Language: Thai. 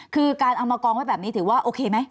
คือการเอามากองไว้แบบนี้ถือว่าโอเคไหม